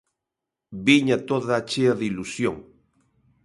Viña toda chea de ilusión.